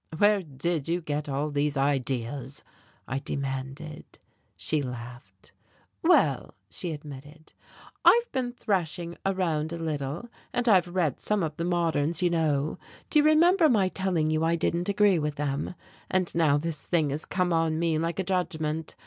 "Where did you get all these ideas?" I demanded. She laughed. "Well," she admitted, "I've been thrashing around a little; and I've read some of the moderns, you know. Do you remember my telling you I didn't agree with them? and now this thing has come on me like a judgment.